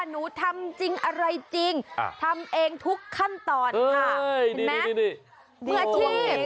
หนูทำจริงอะไรจริงทำเองทุกขั้นตอนค่ะเห็นไหมมืออาชีพ